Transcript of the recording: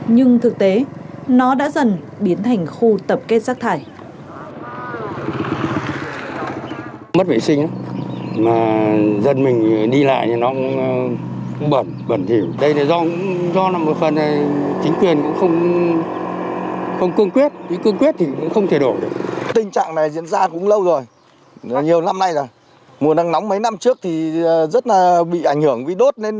nhưng thực tế nó đã dần biến thành khu tập kết rác thải